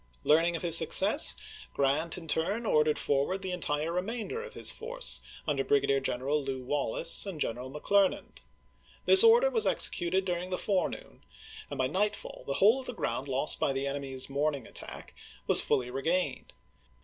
Learning of his success. Grant in turn ordered forward the entire remainder of his force under Brigadier General Lew. Wallace and General McClernand. This order was executed during the afternoon, and by nightfall the whole of the ground lost by the enemy's morning attack was fuUy regained.